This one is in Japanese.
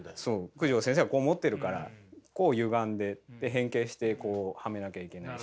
九条先生がこう持ってるからこうゆがんで変形してこうはめなきゃいけないし。